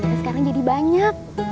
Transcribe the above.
udah sekarang jadi banyak